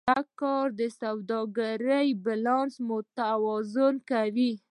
دا کار د سوداګرۍ بیلانس متوازن کوي.